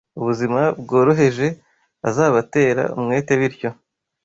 ubuzima bworoheje azabatera umwete bityo